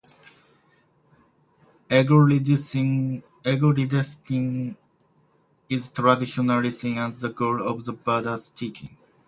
Ego reduction is traditionally seen as the goal of the Buddha's teaching.